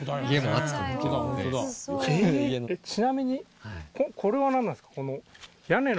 ちなみにこれはなんなんですか？